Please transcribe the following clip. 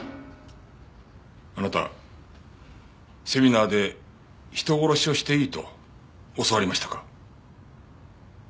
あなたセミナーで人殺しをしていいと教わりましたか？